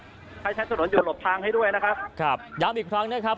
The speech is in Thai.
ใช้ใช้ถนนอยู่หลบทางให้ด้วยนะครับครับย้ำอีกครั้งนะครับ